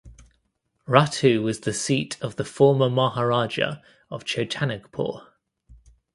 Ratu was the seat of the former Maharaja of Chotanagpur.